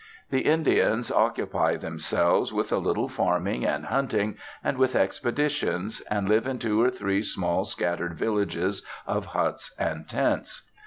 The Indians occupy themselves with a little farming and hunting, and with expeditions, and live in two or three small scattered villages of huts and tents.